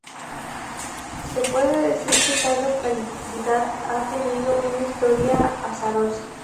Se puede decir que esta localidad ha tenido una historia azarosa.